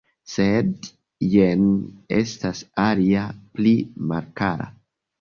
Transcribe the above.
Sed jen estas alia pli malkara.